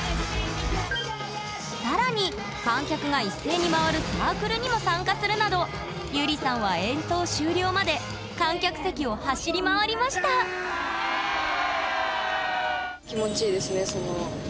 更に観客が一斉に回るサークルにも参加するなどゆりさんは演奏終了まで観客席を走り回りましたイエイ！